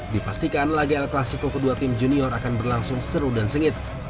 dipastikan laga el clasico kedua tim junior akan berlangsung seru dan sengit